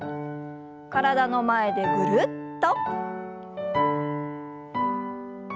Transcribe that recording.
体の前でぐるっと。